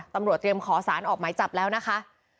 ตำรวจเตรียมขอสารออกหมายจับแล้วนะคะ